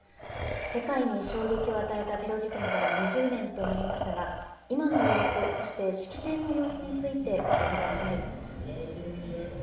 世界に衝撃を与えたテロ事件から２０年となりましたが、今の様子、そして式典の様子について教えてください。